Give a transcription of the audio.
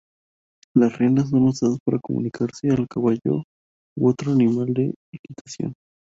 Las riendas son usadas para comunicarse al caballo u otro animal de equitación.